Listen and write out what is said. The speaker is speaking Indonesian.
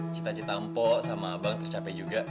cita cita empok sama abang tercape juga